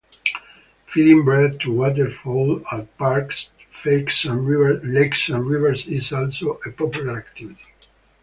Feeding bread to waterfowl at parks, lakes and rivers is also a popular activity.